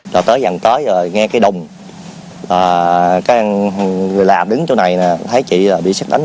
rồi tới gần tới rồi nghe cái đồng cái người làm đứng chỗ này nè thấy chị bị xét đánh